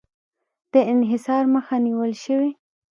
د انحصار مخه نیول شوې؟